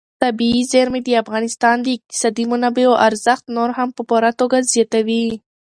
طبیعي زیرمې د افغانستان د اقتصادي منابعو ارزښت نور هم په پوره توګه زیاتوي.